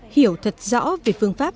hiểu thật rõ về phương pháp